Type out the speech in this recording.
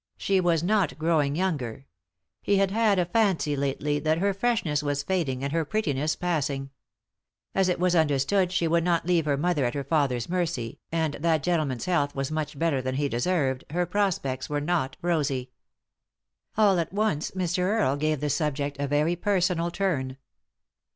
She was not growing younger ; he had had a fancy lately that her freshness was fading and her prettiness passing. As it was understood she would not leave her mother at her father's mercy, and that gentle man's health was much better than he deserved, her prospects were not rosy. All at once Mr. Earle gave the subject a very personal turn.